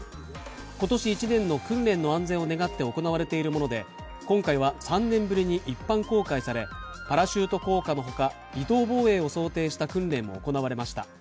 今年一年の訓練の安全を願って行われているもので、今回は３年ぶりに一般公開されパラシュート降下のほか、離島防衛を想定した訓練も行われました。